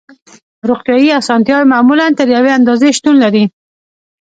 روغتیایی اسانتیاوې معمولاً تر یوې اندازې شتون لري